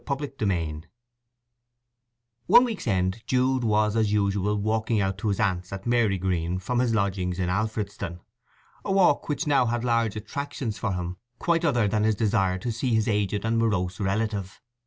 VIII One week's end Jude was as usual walking out to his aunt's at Marygreen from his lodging in Alfredston, a walk which now had large attractions for him quite other than his desire to see his aged and morose relative.